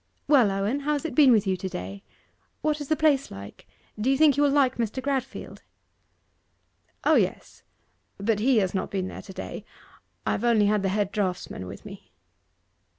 'Well, Owen, how has it been with you to day? What is the place like do you think you will like Mr. Gradfield?' 'O yes. But he has not been there to day; I have only had the head draughtsman with me.